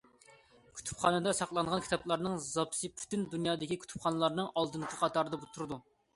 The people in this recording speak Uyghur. كۇتۇپخانىدا ساقلانغان كىتابلارنىڭ زاپىسى پۈتۈن دۇنيادىكى كۇتۇپخانىلارنىڭ ئالدىنقى قاتارىدا تۇرىدۇ.